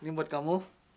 ini buat kamu